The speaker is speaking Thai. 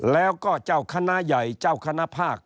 แล้วก็เจ้าคณะใหญ่เจ้าคณะภาค